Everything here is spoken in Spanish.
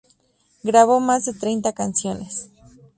Grabó más de treinta canciones.